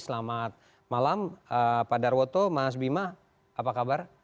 selamat malam pak darwoto mas bima apa kabar